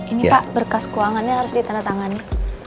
ini pak berkas keuangannya harus ditandatangani